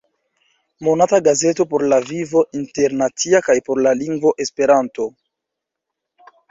Monata gazeto por la vivo internacia kaj por la lingvo Esperanto.